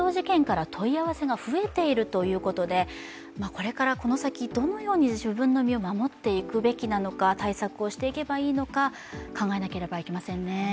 これからこの先、どのように自分の身を守っていくべきなのか対策をしていけばいいのか考えなければいけませんね。